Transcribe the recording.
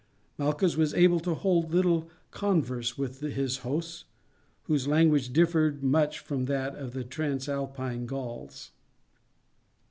Malchus was able to hold little converse with his hosts, whose language differed much from that of the Transalpine Gauls.